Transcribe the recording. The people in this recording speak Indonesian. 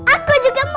aku juga mau sambal